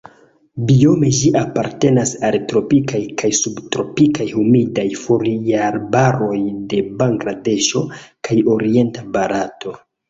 Biome ĝi apartenas al tropikaj kaj subtropikaj humidaj foliarbaroj de Bangladeŝo kaj orienta Barato.